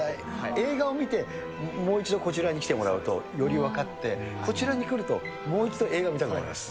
映画を見て、もう一度こちらに来てもらうと、より分かって、こちらに来るともう一度映画を見たくなります。